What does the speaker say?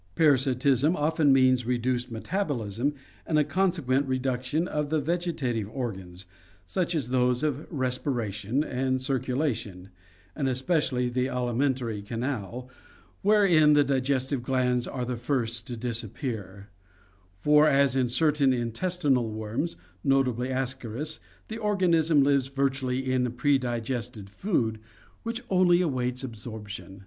Parasitism often means reduced metabolism and a consequent reduction of the vegetative organs, such as those of respiration and circulation, and especially the alimentary canal, wherein the digest ive glands are the first to disappear, for, as in certain intestinal worms, notably Ascaris, the organism lives virtually in predigested food which only awaits absorption.